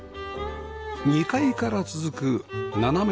２階から続く斜めの壁